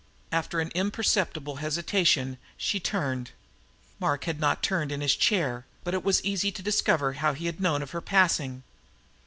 After an imperceptible hesitation she turned. Mark had not turned in his chair, but it was easy to discover how he had known of her passing.